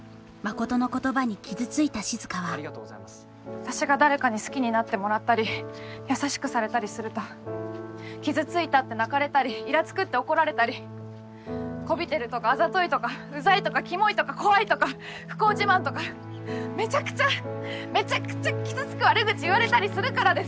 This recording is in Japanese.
私が誰かに好きになってもらったり優しくされたりすると傷ついたって泣かれたりイラつくって怒られたりこびてるとかあざといとかうざいとかキモいとか怖いとか不幸自慢とかめちゃくちゃめちゃくちゃ傷つく悪口言われたりするからです！